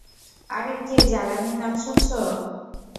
আর K জালানির নাম শুনছো?